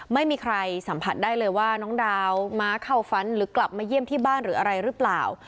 ไม่มีใครสัมผัสได้เลยว่าน้องดาวม้าเข้าฝันหรือกลับมาเยี่ยมที่บ้านหรืออะไรหรือเปล่า